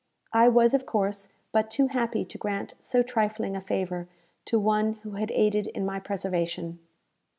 I was, of course, but too happy to grant so trifling a favour to one who had aided in my preservation.